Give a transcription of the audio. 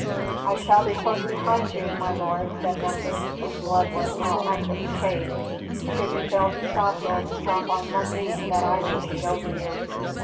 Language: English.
"I shall be close behind you, my lord," said Nessus, whose blood was now up with the chase. "Should you fail to stop him, drop on one knee that I may shoot over you."